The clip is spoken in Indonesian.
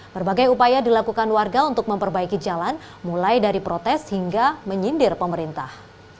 berbagai upaya dilakukan warga untuk memperbaiki jalan mulai dari protes hingga menyindir pemerintah